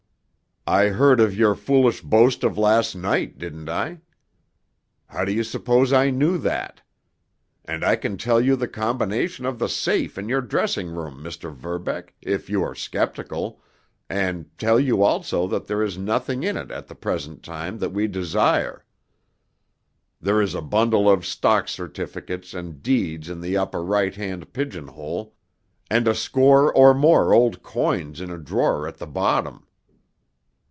I heard of your foolish boast of last night, didn't I? How do you suppose I knew that? And I can tell you the combination of the safe in your dressing room, Mr. Verbeck, if you are skeptical, and tell you also that there is nothing in it at the present time that we desire. There is a bundle of stock certificates and deeds in the upper right hand pigeonhole, and a score or more old coins in a drawer at the bottom."